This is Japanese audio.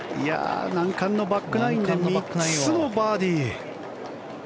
難関のバックナインで３つのバーディー。